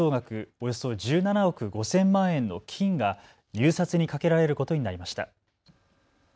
およそ１７億５０００万円の金が入札にかけられることになりました。